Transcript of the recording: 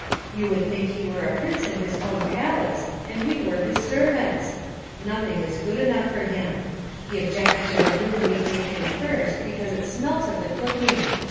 You would think he were a prince in his own palace and we were his servants. Nothing is good enough for him. He objected to the room we gave him first because it smelt of the cooking.